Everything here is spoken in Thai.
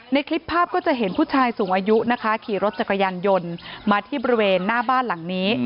ในคลิปภาพก็จะเห็นผู้ชายสูงอายุนะคะขี่รถจักรยานยนต์มาที่บริเวณหน้าบ้านหลังนี้